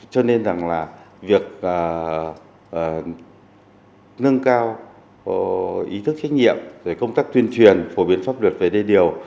cho nên rằng là việc nâng cao ý thức trách nhiệm công tác tuyên truyền phổ biến pháp luật về đê điều